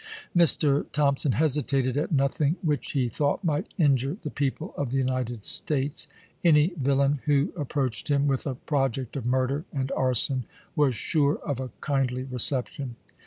Mr. Thompson hesitated at nothing which he thought might injure the people of the United States. Any villain who approached him with a project of murder and arson was sure of a kindly reception.